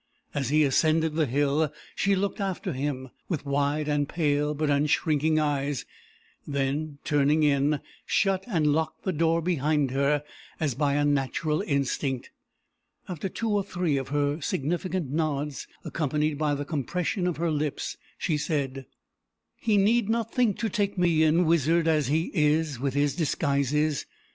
As he ascended the hill, she looked after him, with wide and pale but unshrinking eyes; then turning in, shut and locked the door behind her, as by a natural instinct. After two or three of her significant nods, accompanied by the compression of her lips, she said: "He need not think to take me in, wizard as he is, with his disguises.